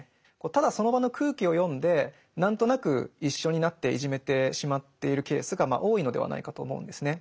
ただその場の空気を読んで何となく一緒になっていじめてしまっているケースがまあ多いのではないかと思うんですね。